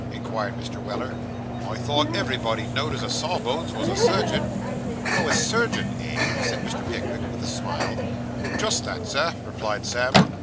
inquired Mr. Weller. 'I thought everybody know'd as a sawbones was a surgeon.' 'Oh, a surgeon, eh?' said Mr. Pickwick, with a smile. 'Just that, sir,' replied Sam.